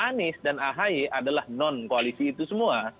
anies dan ahy adalah non koalisi itu semua